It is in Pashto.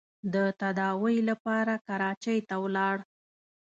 د تداوۍ لپاره کراچۍ ته ولاړ.